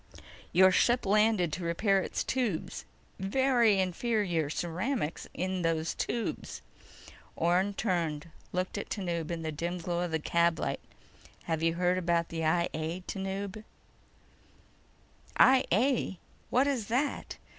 Your ship landed to repair its tubes. Very inferior ceramics in those tubes." Orne turned, looked at Tanub in the dim glow of the cab light. "Have you heard about the I A, Tanub?" "I A? What is that?"